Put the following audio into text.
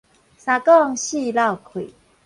三講四落氣